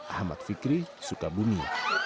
ahmad fikri sukabumi